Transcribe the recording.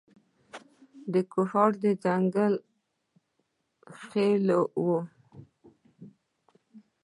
د کوهاټ د ځنګل خېلو و.